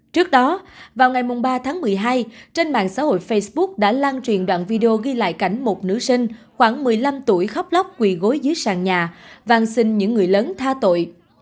trước đó vào ngày ba tháng một mươi hai trên mạng xã hội facebook đã lan truyền đoạn video ghi lại cảnh một nữ sinh khoảng một mươi năm tuổi khóc lóc quỳ gối dưới sàn nhà văn xin những người lớn tha tội